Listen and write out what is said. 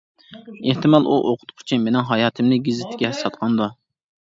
ئېھتىمال، ئۇ ئوقۇتقۇچى مېنىڭ ھاياتىمنى گېزىتكە ساتقاندۇ!